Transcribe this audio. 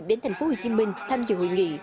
đến tp hcm tham dự hội nghị